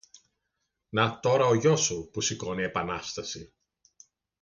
Να τώρα ο γιός σου που σηκώνει επανάσταση.